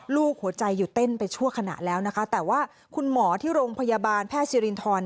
ลูกหัวใจอยู่เต้นไปชั่วขนาดแล้วแต่ว่าคุณหมอที่โรงพยาบาลแพทย์ซิรินทร